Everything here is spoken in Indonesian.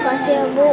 makasih ya bu